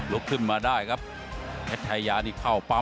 ลบขึ้นมาได้ครับแฮทไทยาที่เข้าปั้ม